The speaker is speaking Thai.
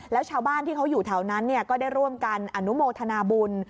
แล้วชาวบ้านที่เขาอยู่แถวนั้นก็ได้ร่วมกันอนุโมทนาบุญ